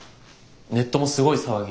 ネットもすごい騒ぎ。